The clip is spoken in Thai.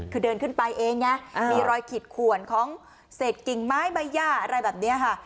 คือเดินขึ้นไปเองไงมีรอยขีดขวนของเศษกิ่งไม้ใบย่าอะไรแบบนี้ค่ะ